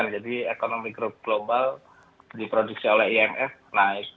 jadi economic growth global diproduksi oleh imf naik